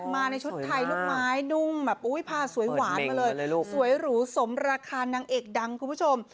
มาในชุดไทยลูกไม้นุ่มแบบอุ้ยผ้าสวยหวานมาเลยสวยหรูสมราคานางเอกดังคุณผู้ชม